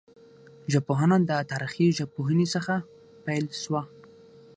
ژبپوهنه د تاریخي ژبپوهني څخه پیل سوه.